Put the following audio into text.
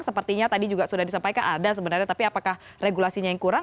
sepertinya tadi juga sudah disampaikan ada sebenarnya tapi apakah regulasinya yang kurang